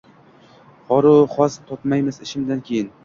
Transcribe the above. Xoru xas topmaysiz ishimdan keyin